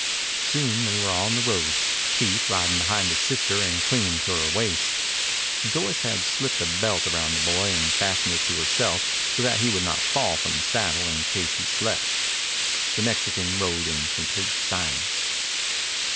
Soon they were on the road, Keith riding behind his sister and clinging to her waist. Joyce had slipped a belt around the boy and fastened it to herself so that he would not fall from the saddle in case he slept. The Mexican rode in complete silence.